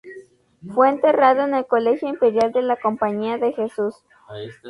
Fue enterrado en el Colegio Imperial de la Compañía de Jesús.